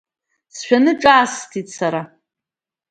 Сшәаны ҿаасҭит сара.